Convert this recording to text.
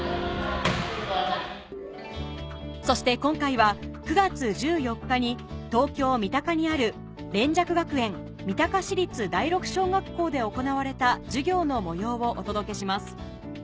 そして今回は９月１４日に東京・三鷹にある連雀学園三鷹市立第六小学校で行われた授業の模様をお届けします